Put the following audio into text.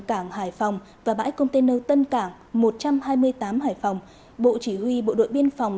cảng hải phòng và bãi container tân cảng một trăm hai mươi tám hải phòng bộ chỉ huy bộ đội biên phòng